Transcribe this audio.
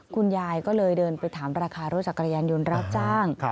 คุณยายก็เลยเดินไปถามราคารถจักรยานยนต์รับจ้าง